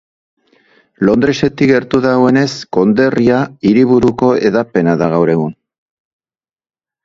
Londresetik gertu dagoenez, konderria hiriburuko hedapena da gaur egun.